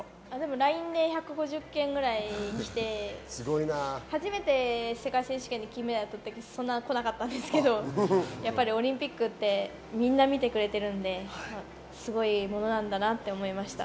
ＬＩＮＥで１５０件ぐらい来て、初めて世界選手権で金メダル取ったとき、そんな来なかったんですけど、やっぱりオリンピックってみんな見てくれてるんで、すごいものなんだなって思いました。